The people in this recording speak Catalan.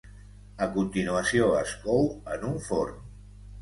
A continuació es cou en un forn.